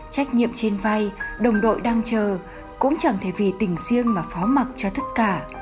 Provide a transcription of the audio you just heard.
trách nhiệm trên vai đồng đội đang chờ cũng chẳng thể vì tỉnh riêng mà phó mặt cho tất cả